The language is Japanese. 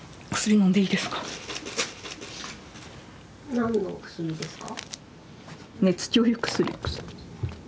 何の薬ですか？